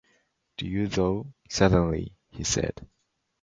'Do you, though?’ ‘Certainly,’ he said.